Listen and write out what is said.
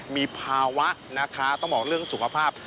มีภาวะนะคะต้องบอกเรื่องสุขภาพ